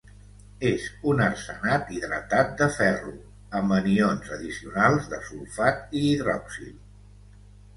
És un arsenat hidratat de ferro amb anions addicionals de sulfat i hidroxil.